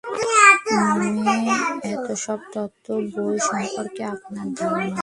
মানে এতসব তত্ত্ব, বই সম্পর্কে আপনার ধারণা।